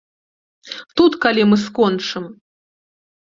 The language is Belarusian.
Тут калі мы скончым?